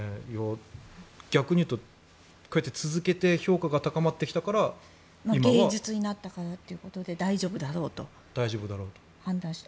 逆に言うと続けて評価が高まってきたから芸術になったからということで大丈夫だろうと判断した。